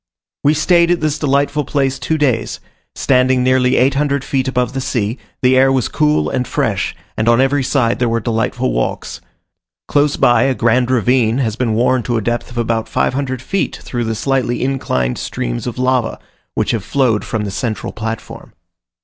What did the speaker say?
We stayed at this delightful place two days; standing nearly 800 feet above the sea, the air was cool and fresh, and on every side there were delightful walks. Close by, a grand ravine has been worn to a depth of about 500 feet through the slightly inclined streams of lava, which have flowed from the central platform.